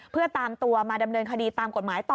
เพื่อตามตัวมาดำเนินคดีตามกฎหมายต่อ